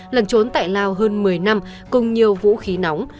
lần trốn tại lào hơn một mươi năm cùng nhiều vũ khí nóng